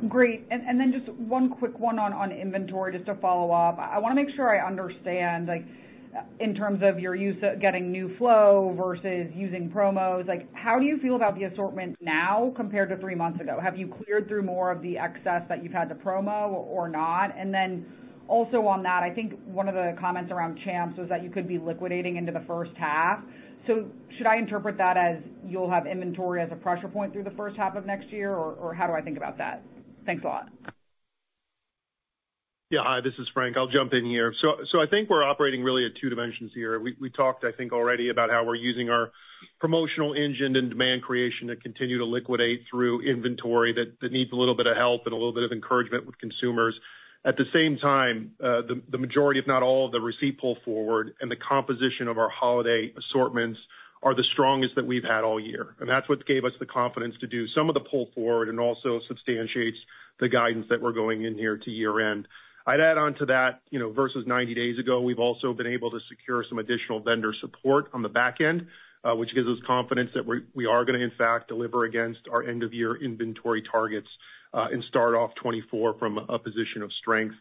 Great. And then just one quick one on inventory, just to follow up. I wanna make sure I understand, like in terms of your use of getting new flow versus using promos, like, how do you feel about the assortment now compared to three months ago? Have you cleared through more of the excess that you've had to promo or not? And then also on that, I think one of the comments around Champs was that you could be liquidating into the first half. So should I interpret that as you'll have inventory as a pressure point through the first half of next year, or how do I think about that? Thanks a lot. ... Yeah. Hi, this is Frank. I'll jump in here. So I think we're operating really at two dimensions here. We talked, I think, already about how we're using our promotional engine and demand creation to continue to liquidate through inventory that needs a little bit of help and a little bit of encouragement with consumers. At the same time, the majority, if not all, of the receipt pull forward and the composition of our holiday assortments are the strongest that we've had all year, and that's what gave us the confidence to do some of the pull forward and also substantiates the guidance that we're going in here to year-end. I'd add on to that, you know, versus 90 days ago, we've also been able to secure some additional vendor support on the back end, which gives us confidence that we are gonna, in fact, deliver against our end-of-year inventory targets, and start off 2024 from a position of strength.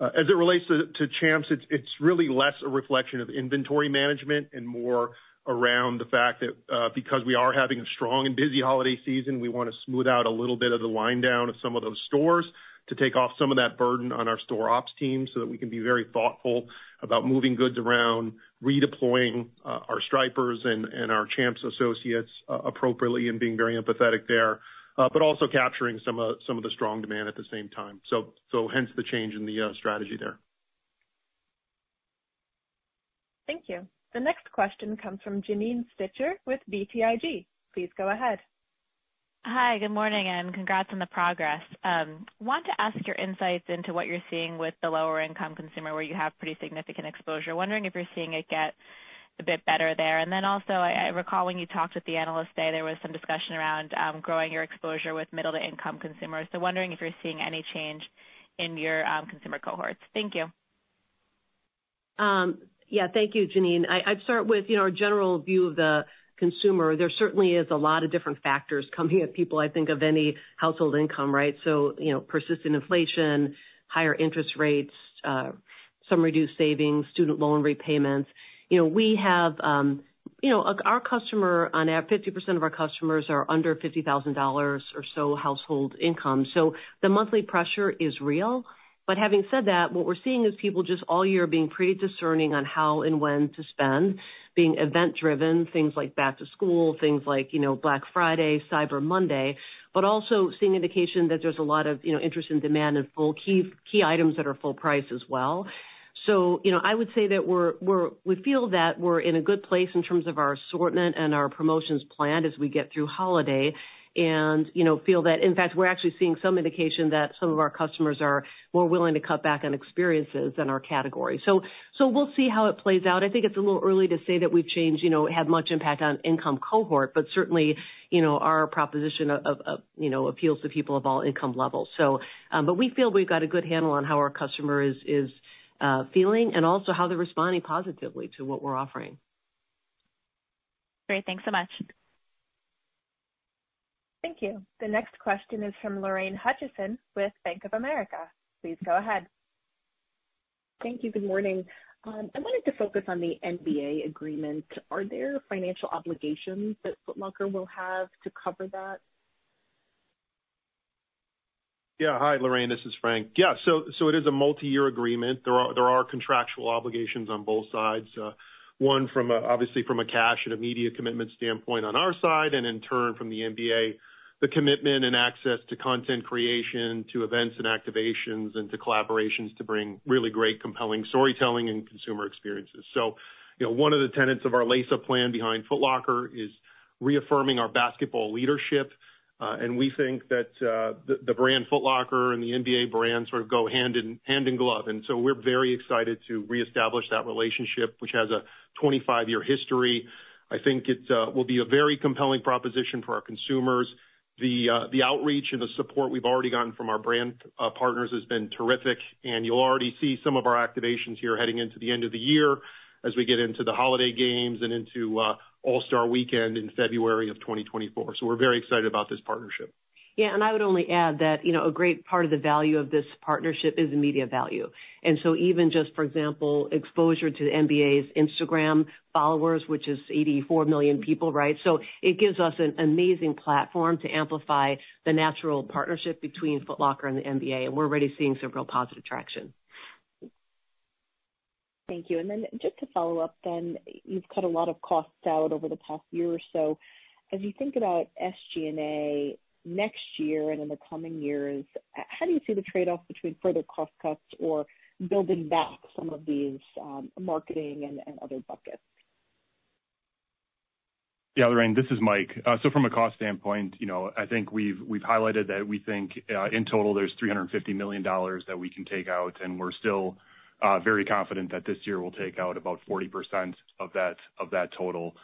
As it relates to Champs, it's really less a reflection of inventory management and more around the fact that because we are having a strong and busy holiday season, we want to smooth out a little bit of the line down of some of those stores to take off some of that burden on our store ops team, so that we can be very thoughtful about moving goods around, redeploying our Stripers and our Champs associates appropriately and being very empathetic there, but also capturing some of the strong demand at the same time. So hence the change in the strategy there. Thank you. The next question comes from Janine Stichter with BTIG. Please go ahead. Hi, good morning, and congrats on the progress. Want to ask your insights into what you're seeing with the lower income consumer, where you have pretty significant exposure. Wondering if you're seeing it get a bit better there? And then also, I recall when you talked with the analyst today, there was some discussion around growing your exposure with middle to income consumers. So wondering if you're seeing any change in your consumer cohorts. Thank you. Yeah, thank you, Janine. I'd start with, you know, our general view of the consumer. There certainly is a lot of different factors coming at people, I think, of any household income, right? So, you know, persistent inflation, higher interest rates, some reduced savings, student loan repayments. You know, we have... You know, our customer, on average, 50% of our customers are under $50,000 or so household income. So the monthly pressure is real. But having said that, what we're seeing is people just all year being pretty discerning on how and when to spend, being event driven, things like back to school, things like, you know, Black Friday, Cyber Monday, but also seeing indication that there's a lot of, you know, interest and demand in full key, key items that are full price as well. So, you know, I would say that we feel that we're in a good place in terms of our assortment and our promotions planned as we get through holiday and, you know, feel that, in fact, we're actually seeing some indication that some of our customers are more willing to cut back on experiences in our category. So we'll see how it plays out. I think it's a little early to say that we've changed, you know, had much impact on income cohort, but certainly, you know, our proposition of appeals to people of all income levels. So but we feel we've got a good handle on how our customer is feeling and also how they're responding positively to what we're offering. Great. Thanks so much. Thank you. The next question is from Lorraine Hutchinson with Bank of America. Please go ahead. Thank you. Good morning. I wanted to focus on the NBA agreement. Are there financial obligations that Foot Locker will have to cover that? Yeah. Hi, Lorraine, this is Frank. Yeah, so, so it is a multiyear agreement. There are, there are contractual obligations on both sides, one from, obviously from a cash and immediate commitment standpoint on our side, and in turn from the NBA, the commitment and access to content creation, to events and activations, and to collaborations to bring really great, compelling storytelling and consumer experiences. So, you know, one of the tenets of our Lace Up Plan behind Foot Locker is reaffirming our basketball leadership, and we think that, the, the brand Foot Locker and the NBA brand sort of go hand in, hand in glove. And so we're very excited to reestablish that relationship, which has a 25-year history. I think it will be a very compelling proposition for our consumers. The outreach and the support we've already gotten from our brand partners has been terrific, and you'll already see some of our activations here heading into the end of the year as we get into the holiday games and into All-Star Weekend in February of 2024. So we're very excited about this partnership. Yeah, and I would only add that, you know, a great part of the value of this partnership is the media value. And so even just, for example, exposure to the NBA's Instagram followers, which is 84 million people, right? So it gives us an amazing platform to amplify the natural partnership between Foot Locker and the NBA, and we're already seeing some real positive traction. Thank you. And then just to follow up then, you've cut a lot of costs out over the past year or so. As you think about SG&A next year and in the coming years, how do you see the trade-off between further cost cuts or building back some of these, marketing and, and other buckets? Yeah, Lorraine, this is Mike. So from a cost standpoint, you know, I think we've highlighted that we think, in total there's $350 million that we can take out, and we're still very confident that this year will take out about 40% of that total.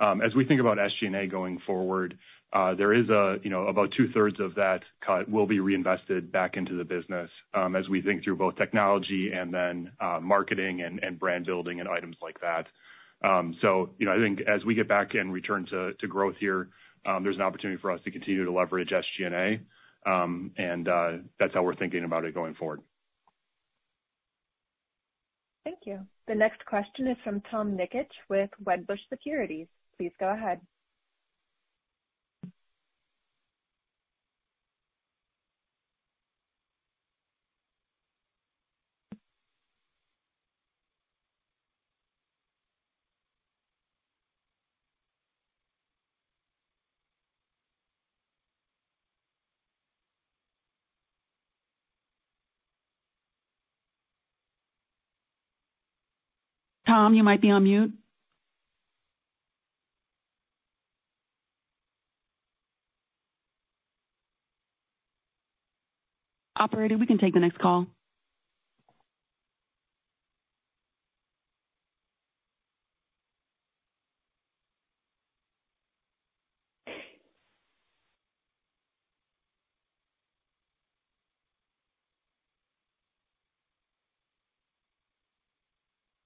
As we think about SG&A going forward, there is a, you know, about two-thirds of that cut will be reinvested back into the business, as we think through both technology and then marketing and brand building and items like that. So you know, I think as we get back and return to growth here, there's an opportunity for us to continue to leverage SG&A, and that's how we're thinking about it going forward. Thank you. The next question is from Tom Nikic, with Wedbush Securities. Please go ahead. ... Tom, you might be on mute. Operator, we can take the next call.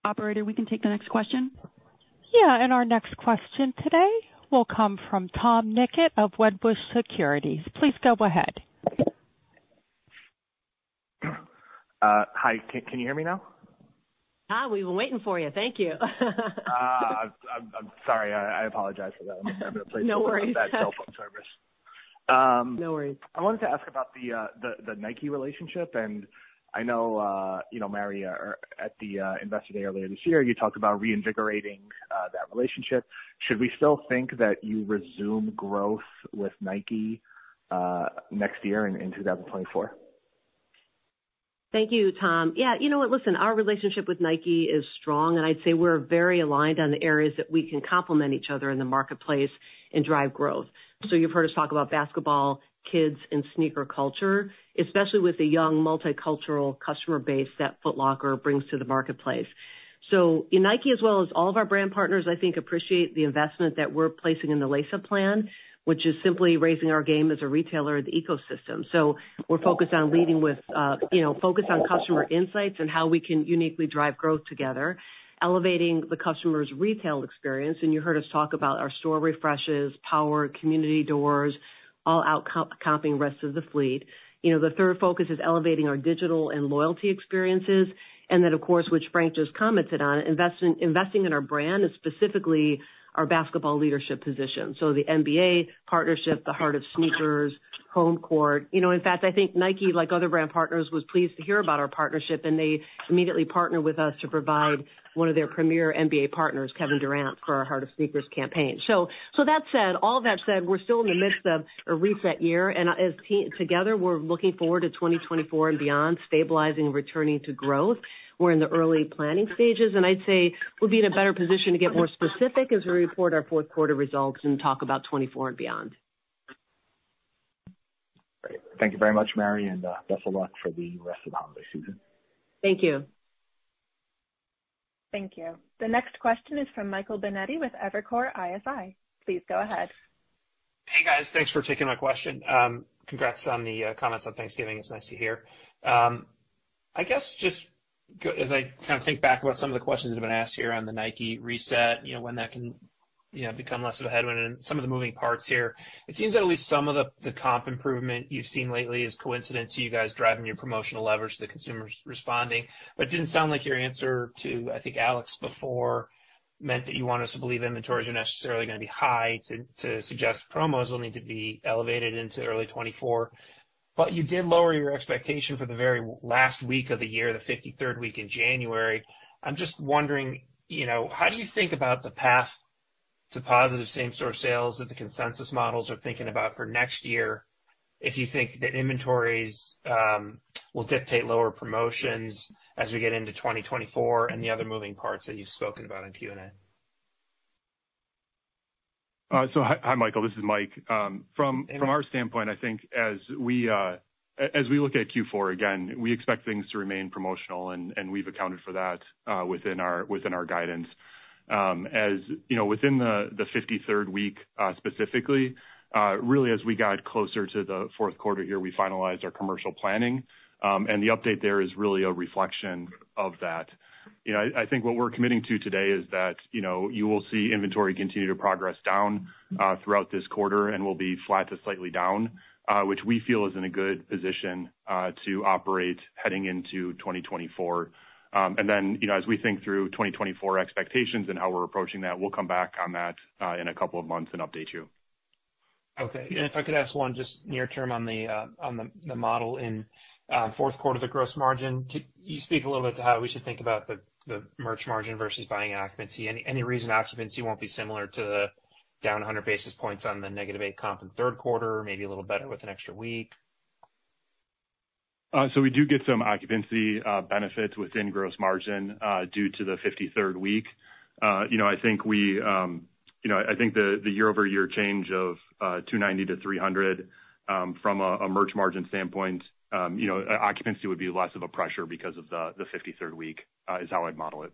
Operator, we can take the next question? Yeah, and our next question today will come from Tom Nikic of Wedbush Securities. Please go ahead. Hi. Can you hear me now? Hi, we've been waiting for you. Thank you. I'm sorry. I apologize for that. No worries. Bad cell phone service. No worries. I wanted to ask about the Nike relationship, and I know, you know, Mary, at the Investor Day earlier this year, you talked about reinvigorating that relationship. Should we still think that you resume growth with Nike next year in 2024? Thank you, Tom. Yeah, you know what? Listen, our relationship with Nike is strong, and I'd say we're very aligned on the areas that we can complement each other in the marketplace and drive growth. So you've heard us talk about basketball, kids, and sneaker culture, especially with the young, multicultural customer base that Foot Locker brings to the marketplace. So Nike, as well as all of our brand partners, I think, appreciate the investment that we're placing in the Lace Up Plan, which is simply raising our game as a retailer in the ecosystem. So we're focused on leading with, you know, focused on customer insights and how we can uniquely drive growth together, elevating the customer's retail experience, and you heard us talk about our store refreshes, Power, Community doors, all outcomping the rest of the fleet. You know, the third focus is elevating our digital and loyalty experiences, and then, of course, which Frank just commented on, investing in our brand and specifically our basketball leadership position. So the NBA partnership, the Heart of Sneakers, Home Court. You know, in fact, I think Nike, like other brand partners, was pleased to hear about our partnership, and they immediately partnered with us to provide one of their premier NBA partners, Kevin Durant, for our Heart of Sneakers campaign. So, so that said, all that said, we're still in the midst of a reset year, and as together, we're looking forward to 2024 and beyond, stabilizing, returning to growth. We're in the early planning stages, and I'd say we'll be in a better position to get more specific as we report our fourth quarter results and talk about 2024 and beyond. Great. Thank you very much, Mary, and best of luck for the rest of the holiday season. Thank you. Thank you. The next question is from Michael Binetti with Evercore ISI. Please go ahead. Hey, guys. Thanks for taking my question. Congrats on the comments on Thanksgiving. It's nice to hear. I guess just as I kind of think back about some of the questions that have been asked here on the Nike reset, you know, when that can, you know, become less of a headwind and some of the moving parts here, it seems that at least some of the comp improvement you've seen lately is coincident to you guys driving your promotional leverage to the consumers responding. But it didn't sound like your answer to, I think, Alex before, meant that you want us to believe inventories are necessarily gonna be high, to suggest promos will need to be elevated into early 2024. But you did lower your expectation for the very last week of the year, the 53rd week in January. I'm just wondering, you know, how do you think about the path to positive same store sales that the consensus models are thinking about for next year, if you think that inventories will dictate lower promotions as we get into 2024 and the other moving parts that you've spoken about in Q&A? So hi, Michael. This is Mike. From our standpoint, I think as we look at Q4 again, we expect things to remain promotional, and we've accounted for that within our guidance. You know, within the 53rd week, specifically, really, as we got closer to the fourth quarter here, we finalized our commercial planning, and the update there is really a reflection of that. You know, I think what we're committing to today is that, you know, you will see inventory continue to progress down throughout this quarter and will be flat to slightly down, which we feel is in a good position to operate heading into 2024. And then, you know, as we think through 2024 expectations and how we're approaching that, we'll come back on that in a couple of months and update you. Okay. If I could ask one just near term on the model in fourth quarter, the gross margin. Can you speak a little bit to how we should think about the merch margin versus buying occupancy? Any reason occupancy won't be similar to the down 100 basis points on the -eight comp in the third quarter, maybe a little better with an extra week? So we do get some occupancy benefits within gross margin due to the 53rd week. You know, I think the year-over-year change of 290-300 from a merch margin standpoint, you know, occupancy would be less of a pressure because of the 53rd week is how I'd model it.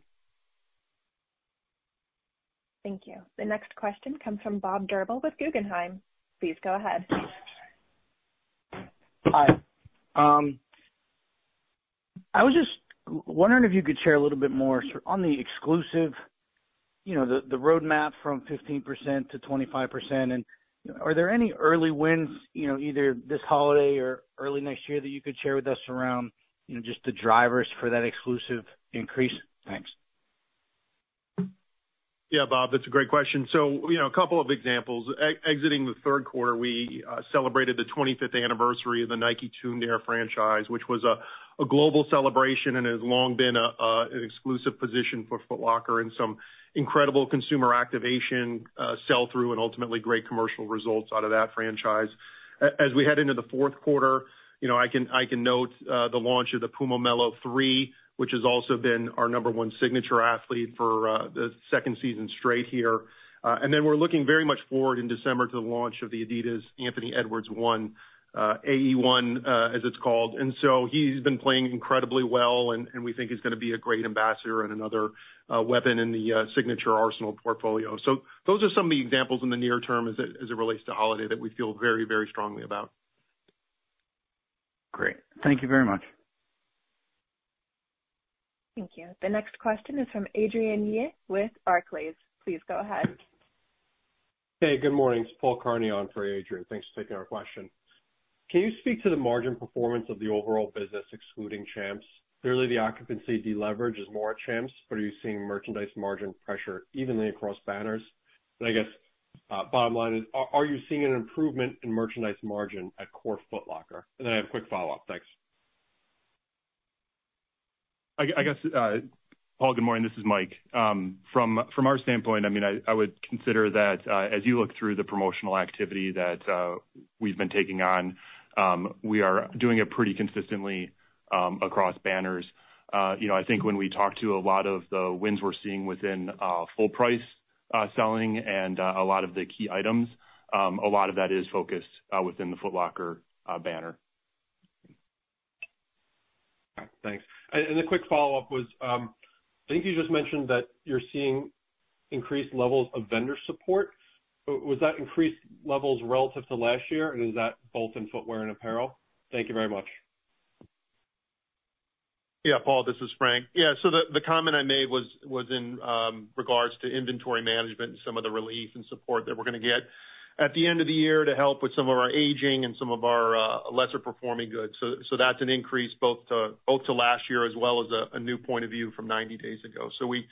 Thank you. The next question comes from Bob Drbul with Guggenheim. Please go ahead. Hi. I was just wondering if you could share a little bit more on the exclusive, you know, the roadmap from 15%-25%, and are there any early wins, you know, either this holiday or early next year, that you could share with us around, you know, just the drivers for that exclusive increase? Thanks.... Yeah, Bob, that's a great question. So, you know, a couple of examples. Exiting the third quarter, we celebrated the 25th anniversary of the Nike Tuned Air franchise, which was a global celebration and has long been an exclusive position for Foot Locker and some incredible consumer activation, sell through, and ultimately great commercial results out of that franchise. As we head into the fourth quarter, you know, I can note the launch of the Puma Melo III, which has also been our number one signature athlete for the second season straight here. And then we're looking very much forward in December to the launch of the Adidas Anthony Edwards 1, AE 1, as it's called. And so he's been playing incredibly well, and, and we think he's gonna be a great ambassador and another weapon in the signature arsenal portfolio. So those are some of the examples in the near term as it relates to holiday, that we feel very, very strongly about. Great. Thank you very much. Thank you. The next question is from Adrienne Yih with Barclays. Please go ahead. Hey, good morning. It's Paul Kearney on for Adrian. Thanks for taking our question. Can you speak to the margin performance of the overall business excluding Champs? Clearly, the occupancy deleverage is more at Champs, but are you seeing merchandise margin pressure evenly across banners? And I guess, bottom line is, are you seeing an improvement in merchandise margin at core Foot Locker? And then I have a quick follow-up. Thanks. I guess, Paul, good morning, this is Mike. From our standpoint, I mean, I would consider that, as you look through the promotional activity that we've been taking on, we are doing it pretty consistently across banners. You know, I think when we talk to a lot of the wins we're seeing within full price selling and a lot of the key items, a lot of that is focused within the Foot Locker banner. Thanks. And the quick follow-up was, I think you just mentioned that you're seeing increased levels of vendor support. Was that increased levels relative to last year, and is that both in footwear and apparel? Thank you very much. Yeah, Paul, this is Frank. Yeah, so the comment I made was in regards to inventory management and some of the relief and support that we're gonna get at the end of the year to help with some of our aging and some of our lesser performing goods. So that's an increase both to last year as well as a new point of view from 90 days ago. So we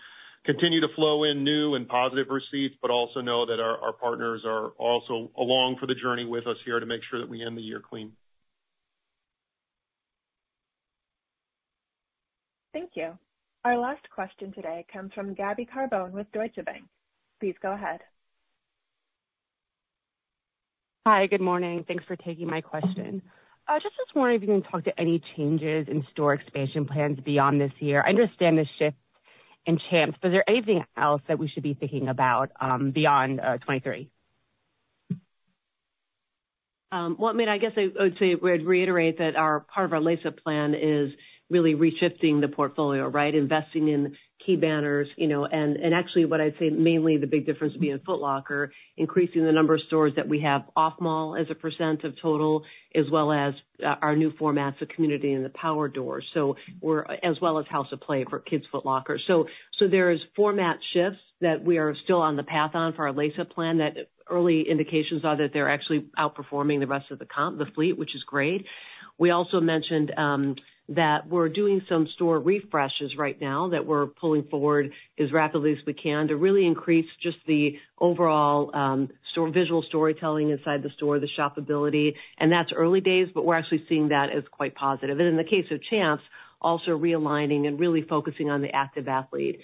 continue to flow in new and positive receipts, but also know that our partners are also along for the journey with us here to make sure that we end the year clean. Thank you. Our last question today comes from Gabby Carbone with Deutsche Bank. Please go ahead. Hi, good morning. Thanks for taking my question. Just this morning, if you can talk to any changes in store expansion plans beyond this year? I understand the shift in Champs. Is there anything else that we should be thinking about, beyond 2023? Well, I mean, I guess I would say we'd reiterate that our part of our Lace Up Plan is really reshifting the portfolio, right? Investing in key banners, you know, and actually what I'd say, mainly the big difference being in Foot Locker, increasing the number of stores that we have off-mall as a percent of total, as well as our new formats, the community and the power doors. So, as well as House of Play for Kids Foot Locker. So there is format shifts that we are still on the path on for our Lace Up Plan, that early indications are that they're actually outperforming the rest of the comp, the fleet, which is great. We also mentioned that we're doing some store refreshes right now, that we're pulling forward as rapidly as we can to really increase just the overall store visual storytelling inside the store, the shopability, and that's early days, but we're actually seeing that as quite positive. In the case of Champs, also realigning and really focusing on the active athlete.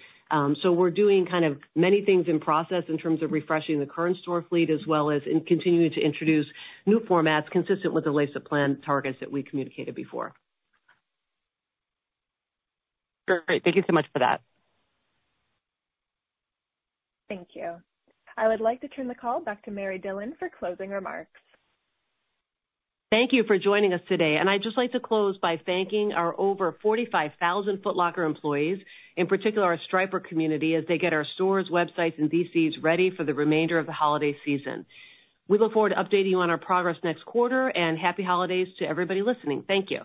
So we're doing kind of many things in process in terms of refreshing the current store fleet, as well as in continuing to introduce new formats consistent with the Lace Up Plan targets that we communicated before. Great. Thank you so much for that. Thank you. I would like to turn the call back to Mary Dillon for closing remarks. Thank you for joining us today, and I'd just like to close by thanking our over 45,000 Foot Locker employees, in particular our Stripers community, as they get our stores, websites, and DCs ready for the remainder of the holiday season. We look forward to updating you on our progress next quarter, and happy holidays to everybody listening. Thank you.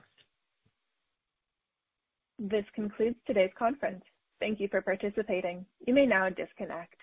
This concludes today's conference. Thank you for participating. You may now disconnect.